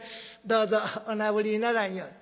どうぞおなぶりならんように。